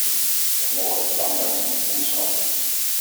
Wij mogen het belang daarvan niet onderschatten.